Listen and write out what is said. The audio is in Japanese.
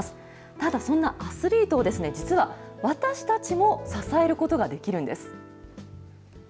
ただ、そんなアスリートを実は私たちも支えることができるんです。